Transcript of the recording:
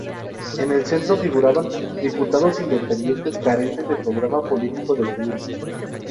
En el centro figuraban diputados independientes, carentes de programa político definido.